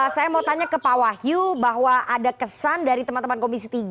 saya mau tanya ke pak wahyu bahwa ada kesan dari teman teman komisi tiga